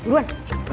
ini sudah lama